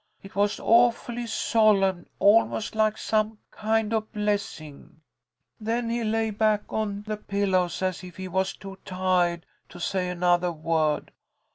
It was awfully solemn, almost like some kind of blessing. "Then he lay back on the pillows as if he was too tiahed to say anothah word.